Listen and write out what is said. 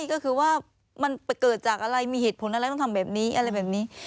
ก็คือว่ามันเกิดจากอะไรมีเหตุผลอะไรต้องทำแบบนี้อะไรแบบนี้